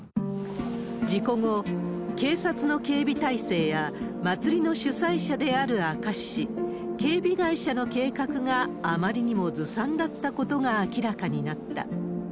事故後、警察の警備体制や祭りの主催者である明石市、警備会社の計画があまりにもずさんだったことが明らかになった。